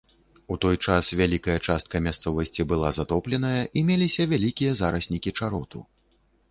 У той час вялікая частка мясцовасці была затопленая і меліся вялікія зараснікі чароту.